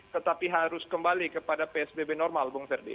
tetapi harus kembali kepada psbb normal